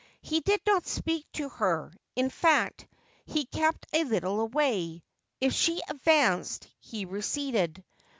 He did not speak to her ; in fact, he kept a little away. If she advanced, he receded.